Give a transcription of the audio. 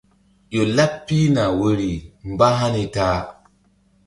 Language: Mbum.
Ƴo laɓ pihna woyri mbáhani ta a.